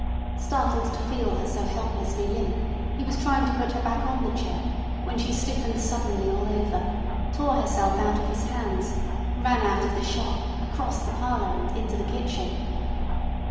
Startled to feel her so helplessly limp, he was trying to put her back on the chair when she stiffened suddenly all over, tore herself out of his hands, ran out of the shop, across the parlour, and into the kitchen.